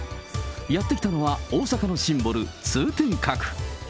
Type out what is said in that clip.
やって来たのは、大阪のシンボル、通天閣。